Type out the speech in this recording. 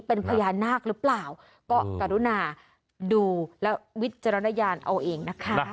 เป็นพญานาคหรือเปล่าก็กรุณาดูและวิจารณญาณเอาเองนะคะ